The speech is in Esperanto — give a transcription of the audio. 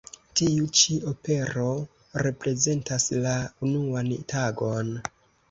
Tiu-ĉi opero reprezentas la "unuan tagon".